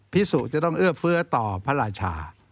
พิสุจะต้องเอื้อเฟื้อต่อพระราชา